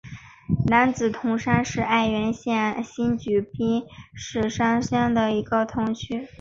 别子铜山是爱媛县新居滨市山间的一片铜矿区。